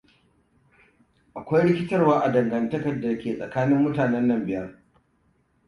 Akwai rikitarwa a dangantaka dake tsakanin mutanen nan biyar.